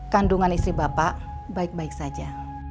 kandungan istri bapak baik baik saja